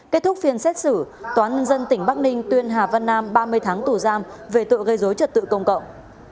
kết thúc phiên xét xử toán nhân dân tỉnh bắc ninh tuyên hà văn nam ba mươi tháng tù giam về tội gây dối trật tự công cộng